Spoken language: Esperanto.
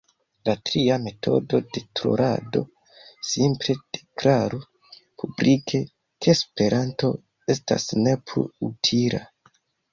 La tria metodo de trolado, simple deklaru publike ke esperanto estas ne plu utila.